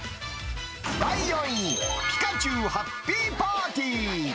第４位、ピカチュウハッピーパーティー。